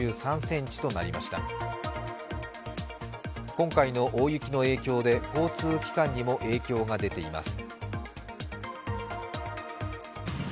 今回の大雪の影響で交通機関にも影響が出ています。